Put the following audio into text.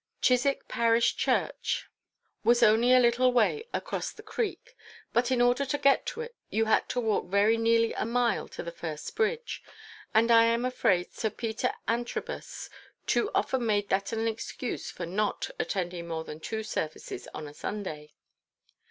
Chiswick Parish Church was only a little way across the creek, but in order to get to it you had to walk very nearly a mile to the first bridge, and I am afraid Sir Peter Antrobus too often made that an excuse for not attending more than two services on a Sunday.